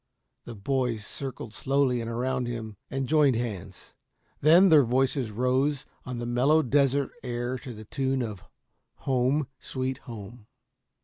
The boys circled slowly around him and joined hands. Then their voices rose on the mellow desert air to the tune of "Home, Sweet Home."